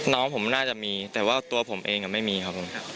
น้องผมน่าจะมีแต่ว่าตัวผมเองไม่มีครับผม